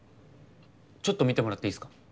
ちょっと見てもらっていいすか？